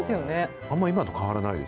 あんまり今と変わらないです